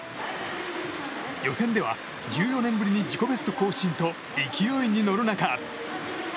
予選では１４年ぶりに自己ベスト更新と勢いに乗る中。